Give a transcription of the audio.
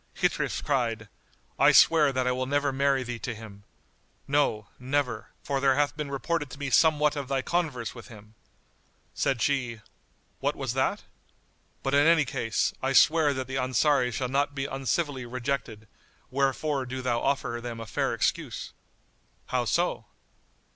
Ghitrif cried, "I swear that I will never marry thee to him; no, never, for there hath been reported to me somewhat of thy converse with him." Said she, "What was that? But in any case, I swear that the Ansaris shall not be uncivilly rejected; wherefore do thou offer them a fair excuse." "How so?"